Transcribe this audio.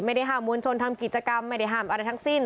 ไม่ได้ห้ามมวลชนทำกิจกรรมไม่ได้ห้ามอะไรทั้งสิ้น